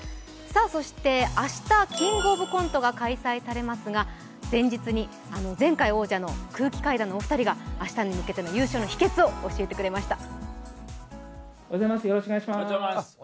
明日、「キングオブコント」が開催されますが、前日に前回王者の空気階段のお二人が、明日に向けての優勝の秘けつを教えてくれました。